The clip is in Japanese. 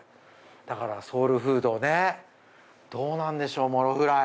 だからソウルフードねどうなんでしょうモロフライ。